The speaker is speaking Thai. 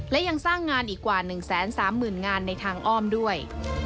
และยังสร้างงานอีกกว่า๑๓๐๐๐งานในทางอ้อมด้วย